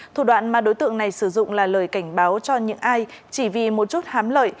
thủ đoạn mà đối tượng này sử dụng là lời cảnh báo cho những ai chỉ vì một chút hám lợi